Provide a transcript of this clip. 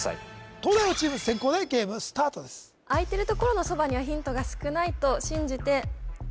東大王チーム先攻でゲームスタートですと信じてそうね